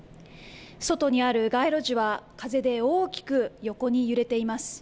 外にある街路樹は風で大きく横に揺れています。